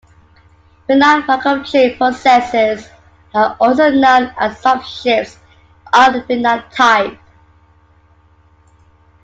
Finite Markov-chain processes are also known as subshifts of finite type.